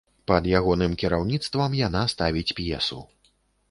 Пад ягоным кіраўніцтвам яна ставіць п'есу.